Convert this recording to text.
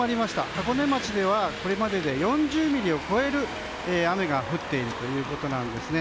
箱根町では、これまでで４０ミリを超える雨が降っているということなんです。